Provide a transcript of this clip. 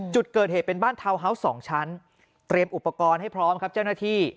จุดเกิดเหตุเป็นบ้านทาวน์ฮาวส์๒ชั้นเตรียมอุปกรณ์ให้พร้อมครับเจ้าหน้าที่